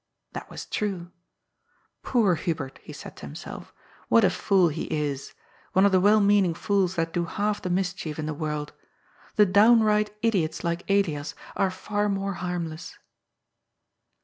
That was true. ^^ Poor Hubert,'' he said to himself. ^^ What a fool he is ! One of the well meaning fools that do half the mischief in the world. The downright idiots, like Elias, are far more harmless."